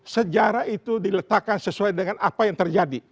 sejarah itu diletakkan sesuai dengan apa yang terjadi